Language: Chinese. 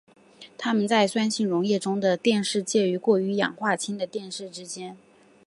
它们在酸性溶液中的电势介于过氧化氢的电势之间。